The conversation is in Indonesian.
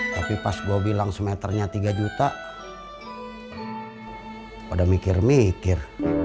tapi pas gue bilang semeternya tiga juta pada mikir mikir